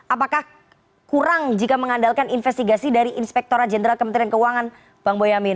apakah kurang jika mengandalkan investigasi dari inspektora jenderal kementerian keuangan bang boyamin